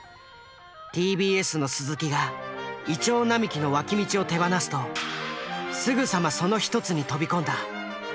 ＴＢＳの鈴木が銀杏並木の脇道を手放すとすぐさまその一つに飛び込んだ。